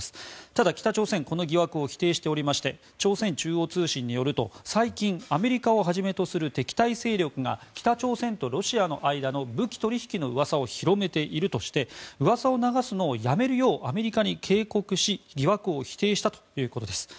ただ、北朝鮮はこの疑惑を否定しておりまして朝鮮中央通信によると最近、アメリカをはじめとする敵対勢力が北朝鮮とロシアの間の武器取引のうわさを広めているとしてうわさを流すのをやめるようアメリカに警告し疑惑を否定したということです。